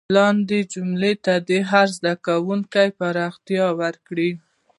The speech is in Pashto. لاندې جملو ته دې هر زده کوونکی پراختیا ورکړي.